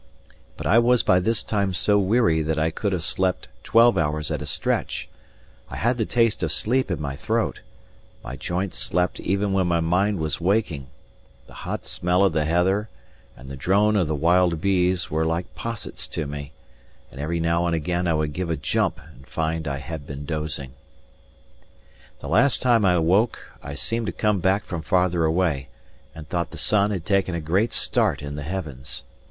But I was by this time so weary that I could have slept twelve hours at a stretch; I had the taste of sleep in my throat; my joints slept even when my mind was waking; the hot smell of the heather, and the drone of the wild bees, were like possets to me; and every now and again I would give a jump and find I had been dozing. The last time I woke I seemed to come back from farther away, and thought the sun had taken a great start in the heavens.